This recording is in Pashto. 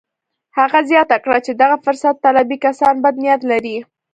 هغه زياته کړه چې دغه فرصت طلبي کسان بد نيت لري.